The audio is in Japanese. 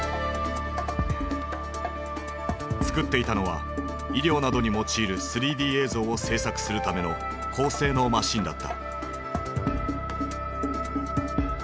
作っていたのは医療などに用いる３Ｄ映像を制作するための高性能マシンだった。